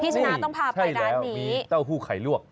พี่ชนะต้องพาไปด้านนี้ใช่แล้วมีเต้าหู้ไข่ลวก